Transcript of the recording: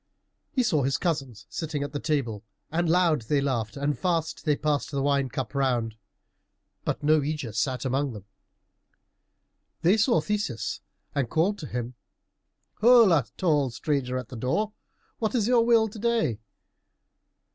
He saw his cousins sitting at the table, and loud they laughed and fast they passed the wine cup round, but no Ægeus sat among them. They saw Theseus and called to him, "Holla, tall stranger at the door, what is your will to day?"